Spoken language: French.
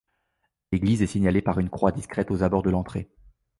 L'église est signalée par une croix discrète aux abords de l'entrée.